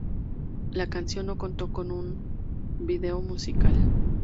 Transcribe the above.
La canción no contó con un vídeo musical.